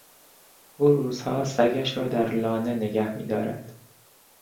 او روزها سگش را در لانه نگه میدارد.